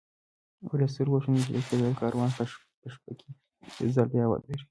ورېځ تراوسه نږدې کېدل، کاروان په شپه کې یو ځل بیا ودرېد.